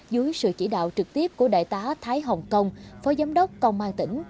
dưới sự chỉ đạo trực tiếp của đại tá thái hồng công phó giám đốc công an tỉnh